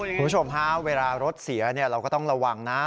คุณผู้ชมฮะเวลารถเสียเราก็ต้องระวังนะ